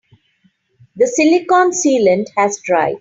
The silicon sealant has dried.